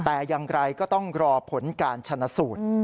แต่อย่างไรก็ต้องรอผลการชนะสูตร